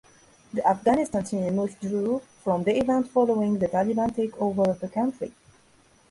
The Afghanistan team withdrew from the event following the Taliban takeover of the country.